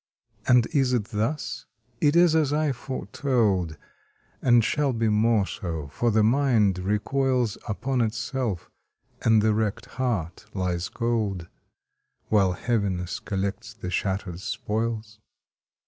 And is it thus? it is as I foretold, And shall be more so; for the mind recoils Upon itself, and the wrecked heart lies cold, While Heaviness collects the shattered spoils.